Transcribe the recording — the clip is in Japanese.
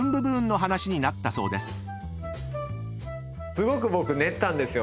すごく僕練ったんですよ